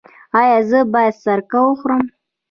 ایا زه باید سرکه وخورم؟